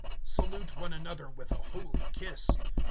(12)Salute one another with a holy kiss.